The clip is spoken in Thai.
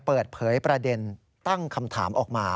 เปิดเผยประเด็นตั้งคำถามออกมา